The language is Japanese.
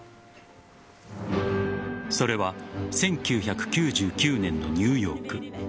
それは１９９９年のニューヨーク。